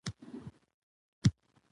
قانون د ټولنې ستنه ده